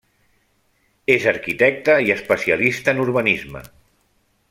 És arquitecte i especialista en urbanisme.